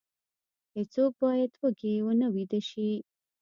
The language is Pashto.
هیڅوک باید وږی ونه ویده شي.